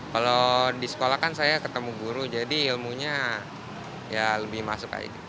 kalau di sekolah kan saya ketemu guru jadi ilmunya lebih masuk